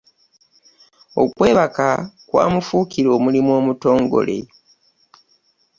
Okwebaka kwamufuukira omulimu omutongole.